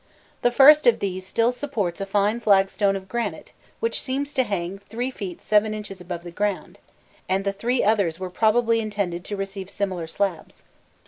The first of these still supports a fine flagstone of granite which seems to hang 3 feet 7 inches above the ground, and the three others were probably intended to receive similar slabs.